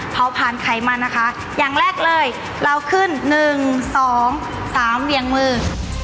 เผาผ่านไขมันนะคะอย่างแรกเลยเราขึ้นหนึ่งสองสามเวียงมือ